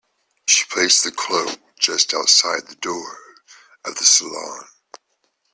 She placed the cloak just outside the door of the salon.